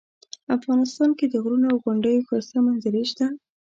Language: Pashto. افغانستان کې د غرونو او غونډیو ښایسته منظرې شته